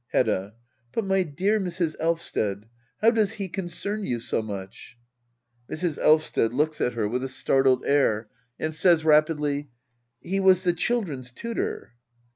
Hedda. But, my dear Mrs. Elvsted — how does he con cern you so much ? Mrs. Elvsted. [Looks at her with a startled air, and says rapidly, 1 He was the children's tutor.